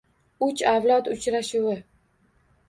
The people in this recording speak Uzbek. “Uch avlod” uchrashuvi